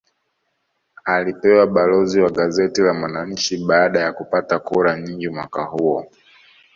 Alipewa balozi wa gazeti la mwananchi baada ya kupata kura nyingi mwaka huo